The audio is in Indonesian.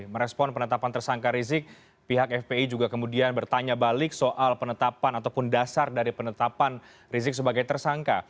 merespon penetapan tersangka rizik pihak fpi juga kemudian bertanya balik soal penetapan ataupun dasar dari penetapan rizik sebagai tersangka